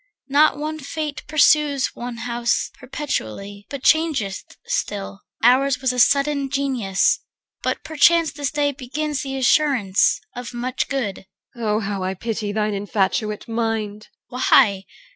Not one fate pursues One house perpetually, but changeth still. Ours was a sullen Genius, but perchance This day begins the assurance of much good. EL. Oh how I pity thine infatuate mind! CHR. Why?